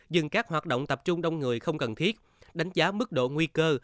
dừng các hoạt động tập trung đông người không cần thiết đánh giá mức độ nguy cơ